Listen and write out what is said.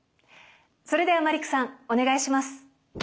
それではマリックさんお願いします。